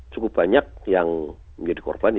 cukup banyak yang menjadi korban